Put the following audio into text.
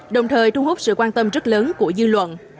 đồng thời thu hút sự quan tâm rất lớn của dư luận